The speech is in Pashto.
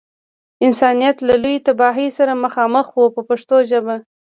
انسانیت له لویې تباهۍ سره مخامخ و په پښتو ژبه.